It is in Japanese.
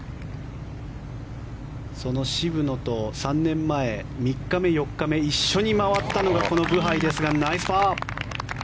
その渋野と３年前３日目、４日目一緒に回ったのがブハイですがナイスパー！